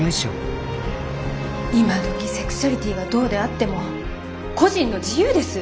今どきセクシュアリティがどうであっても個人の自由です。